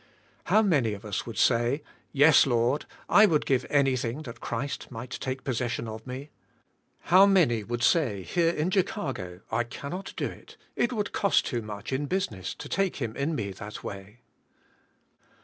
How many of us would say. Yes, Lord, I would give anything that Christ might take possession of me ? How many would say. Here, in Chicago, I cannot do it. It would cost too much in business, to take Him in me that way.